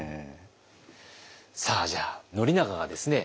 さあじゃあ宣長がですね